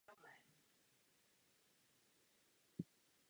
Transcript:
Je vyvinut ve východním a severním Finsku.